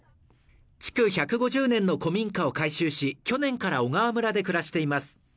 築１５０年の古民家を改修し、去年から小川村で暮らしています。